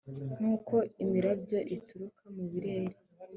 nk'uko imirabyo ituruka mu birere